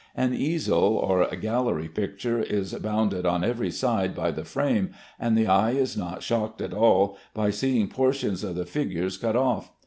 An easel or gallery picture is bounded on every side by the frame, and the eye is not shocked at all by seeing portions of the figures cut off.